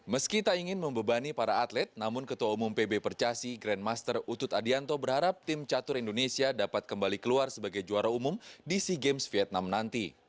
meski tak ingin membebani para atlet namun ketua umum pb percasi grandmaster utut adianto berharap tim catur indonesia dapat kembali keluar sebagai juara umum di sea games vietnam nanti